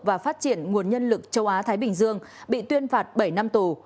và phát triển nguồn nhân lực châu á thái bình dương bị tuyên phạt bảy năm tù